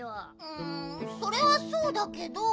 うんそれはそうだけど。